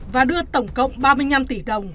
và đưa tổng cộng ba mươi năm tỷ đồng